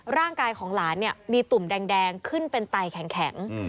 ร่างกายของหลานมีตุ่มแดงขึ้นเป็นไตแข็ง